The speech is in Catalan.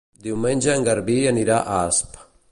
Diumenge en Garbí anirà a Asp.